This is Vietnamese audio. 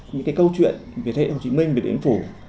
những câu chuyện việt hệ hồ chí minh điện biên phủ